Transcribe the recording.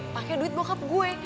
pakai duit bokap gue